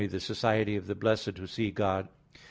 the society of the blessed who see God.